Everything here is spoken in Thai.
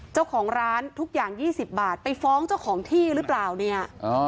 เจ้าของร้านทุกอย่าง๒๐บาทไปฟ้องเจ้าของที่หรือเปล่าเนี่ย